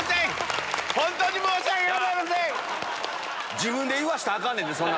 自分で言わしたらアカンねんて。